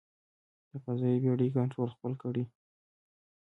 د فضايي بېړۍ کنټرول خپل کړي.